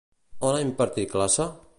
On ha impartit classe?